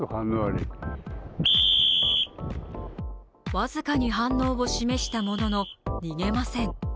僅かに反応を示したものの、逃げません。